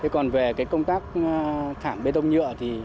còn về công tác thảm bê tông nhựa